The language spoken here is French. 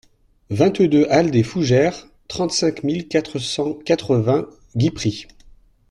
vingt-deux aLL DES FOUGERES, trente-cinq mille quatre cent quatre-vingts Guipry